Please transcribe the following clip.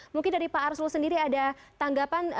mungkin dari pak arsul sendiri ada tanggapan